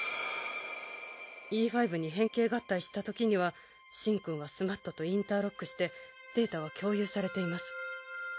Ｅ５に変形合体したときにはシンくんはスマットとインターロックしてデータは共有されています。